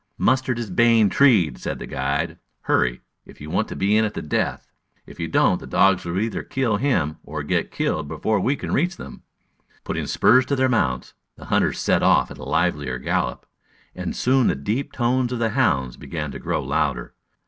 "Mustard is baying 'treed,'" said the guide. "Hurry, if you want to be in at the death. If you don't the dogs either will kill him or get killed before we can reach them." Putting spurs to their mounts, the hunters set off at a livelier gallop, and soon the deep tones of the hounds began to grow louder.